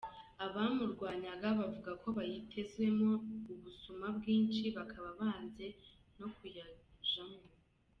Abamugwanya bavuga ko bayitezemwo ubusuma bwinshi- bakaba banse no kuyajamwo.